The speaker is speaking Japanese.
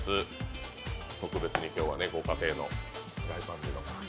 特別に今日はご家庭のフライパンで。